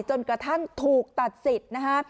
จนกระทั่งถูกตัดสิทธิ์นะคะ